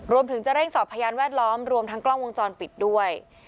รวมถึงจะเร่งสอบพยานแวดล้อมรวมทั้งกล้องวงจรปิดด้วย